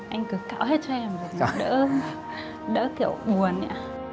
anh cứ cạo hết cho em để đỡ kiểu buồn nhỉ